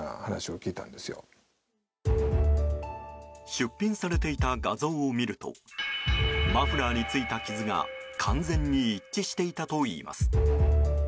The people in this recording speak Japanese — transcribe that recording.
出品されていた画像を見るとマフラーについた傷が完全に一致していたといいます。